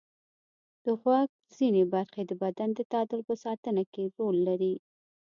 د غوږ ځینې برخې د بدن د تعادل په ساتنه کې رول لري.